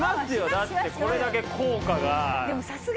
だってこれだけ効果が。